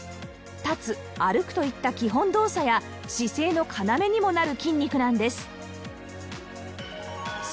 立つ歩くといった基本動作や姿勢の要にもなる筋肉なんです